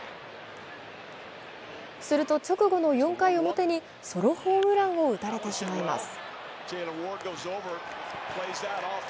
すると直後の４回表にソロホームランを打たれてしまいます。